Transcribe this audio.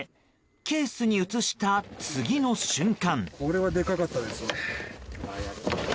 ケースに移した次の瞬間。